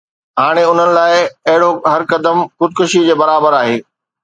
هاڻي انهن لاءِ اهڙو هر قدم خودڪشي جي برابر آهي